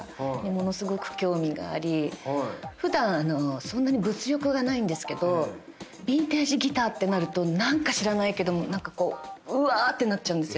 普段そんなに物欲がないんですけどビンテージギターってなると何か知らないけどうわ！ってなっちゃうんです。